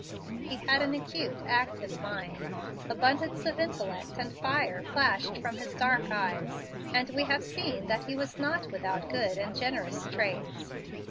He had an acute, active mind. Abundance of intellect and fire flashed from his dark eyes, and we have seen that he was not without good and generous traits.